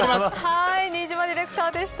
新島ディレクターでした。